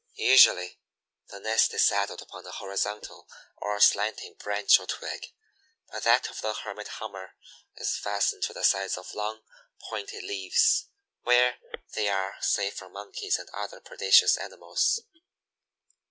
Usually the nest is saddled upon a horizontal or slanting branch or twig, but that of the Hermit Hummer is fastened to the sides of long, pointed leaves, where they are safe from Monkeys and other predaceous animals.